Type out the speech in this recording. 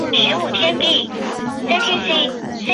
鸣人在第三场正式考试时真的遇上了宁次。